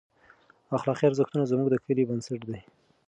اخلاقي ارزښتونه زموږ د ټولنې بنسټ دی.